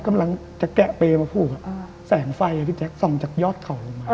ก็จะแกะเป้มาพูก